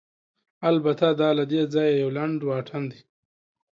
البته، دا له دې ځایه یو لنډ واټن دی.